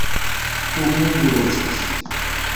او ہنزو نو چھس